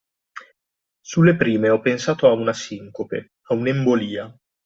Sulle prime ho pensato a una sincope, a un'embolia.